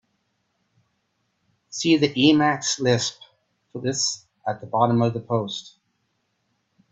See the Emacs lisp for this at the bottom of the post.